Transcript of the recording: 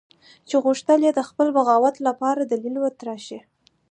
چې غوښتل یې د خپل بغاوت لپاره دلیل وتراشي.